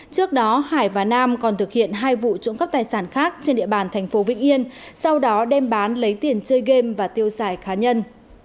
trước đó hải và nam còn thực hiện hai vụ trộm cắp tài sản khác trên địa bàn thành phố vĩnh yên sau đó đem bán lấy tiền chơi game và tiêu xài cá nhân